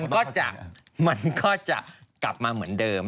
ก็จะมันก็จะกลับมาเหมือนเดิม